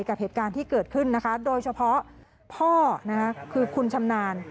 กับเหตุการณ์ที่เกิดขึ้นนะคะโดยเฉพาะพ่อคือคุณชำนาญ